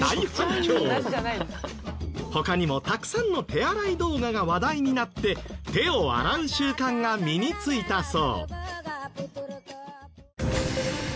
他にもたくさんの手洗い動画が話題になって手を洗う習慣が身についたそう。